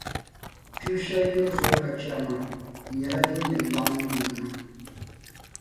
Kpibu shεli yini zɔri ka chεri maa, nyɛla din yɛn laɣim ni yinima